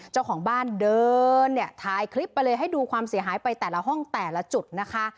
เจ้าของบ้านเดินเนี่ยถ่ายคลิปไปเลยให้ดูความเสียหายไปแต่ละห้องแต่ละจุดนะคะ